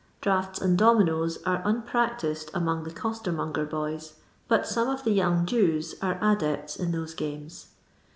Draughts and dominoes are unpractised among the costermonger boys, but some of the young Jews are adepts in those games.